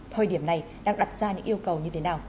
thời điểm này đang đặt ra những yêu cầu như thế nào